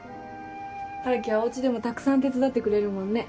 春樹はおうちでもたくさん手伝ってくれるもんね。